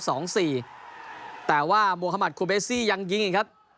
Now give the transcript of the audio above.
สองสี่แต่ว่าโมฮามัติคูเบซี่ยังยิงอีกครับ